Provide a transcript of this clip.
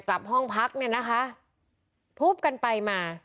กลับห้องพักเนี่ยนะคะทุบกันไปมา